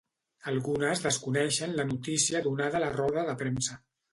Algunes desconeixen la notícia donada a la roda de premsa.